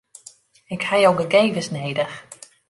Ik ha jo gegevens nedich.